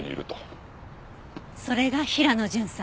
それが平野巡査。